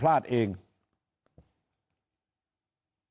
คำว่าท่าที่ของสหรัฐเขาชัดเจนสหรัฐป้องอิสราเอนไม่ได้บื้มโรงพยาบาล